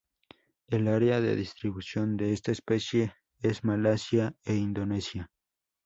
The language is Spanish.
El área de distribución de esta especie es Malasia e Indonesia.